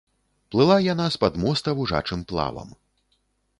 Плыла яна з-пад моста вужачым плавам.